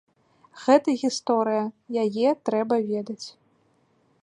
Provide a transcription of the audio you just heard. Гэта гісторыя, яе трэба ведаць.